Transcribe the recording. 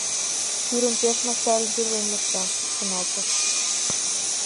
«Тӱрым пеш мастарын тӱрлен мошта», — шоналтыш.